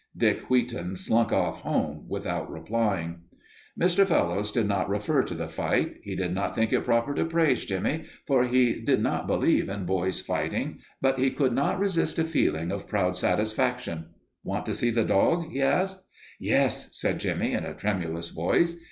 Dick Wheaton slunk off home without replying. Mr. Fellowes did not refer to the fight. He did not think it proper to praise Jimmie, for he did not believe in boys fighting, but he could not resist a feeling of proud satisfaction. "Want to see the dog?" he asked. "Yes," said Jimmie in a tremulous voice.